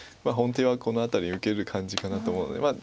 本手はこの辺り受ける感じかなと思うので。